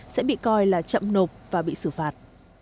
sẽ bị coi là chậm nộp và bị xử phạt